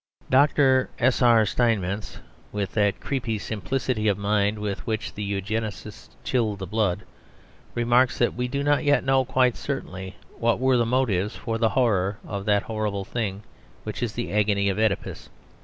Dr. S.R. Steinmetz, with that creepy simplicity of mind with which the Eugenists chill the blood, remarks that "we do not yet know quite certainly" what were "the motives for the horror of" that horrible thing which is the agony of Oedipus.